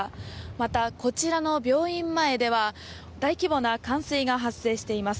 また、こちらの病院前では大規模な冠水が発生しています。